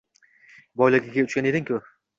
Boyligiga uchgan eding-ku